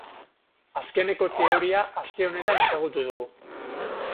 Azkeneko teoria aste honetan ezagutu dugu.